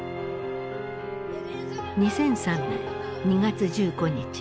２００３年２月１５日。